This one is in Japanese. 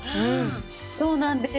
そうなんです。